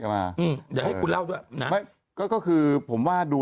ผมว่าเขาด้วยดู